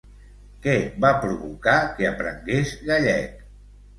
Què va provocar que aprengués gallec?